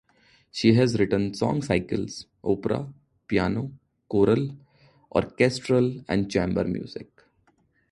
She has written song cycles, opera, piano, choral, orchestral and chamber music.